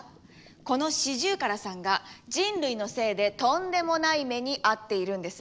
このシジュウカラさんが人類のせいでとんでもない目に遭っているんです。